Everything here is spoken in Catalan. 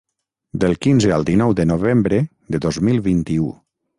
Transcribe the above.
Del quinze al dinou de novembre de dos mil vint-i-u.